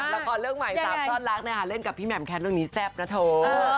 ละครเรื่องใหม่๓ซ่อนรักนะคะเล่นกับพี่แหม่แคทเรื่องนี้แซ่บนะโถ